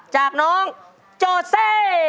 จากน้องโจเซ